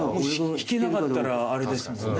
弾けなかったらあれですもんね。